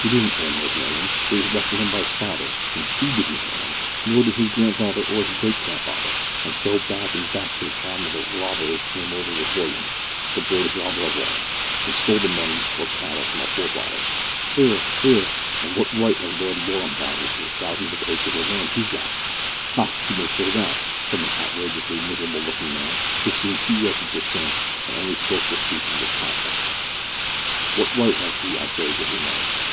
"He didn't earn these millions; they was left to 'im by his father, an' he didn't earn 'em, nor did his grandfather, or his great grandfather, and so, back an' back to the time of the robber who came over with William the greatest robber of all an' stole the money, or cattle, from our forefathers." (Hear! hear!) "An' what right has Lord Lorrumdoddy to the thousands of acres of land he's got?" (`Ha! you may say that!' from an outrageously miserable looking man, who seemed too wretched to think, and only spoke for a species of pastime.) "What right has he, I say, to his lands?